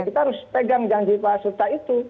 kita harus pegang janji pak suta itu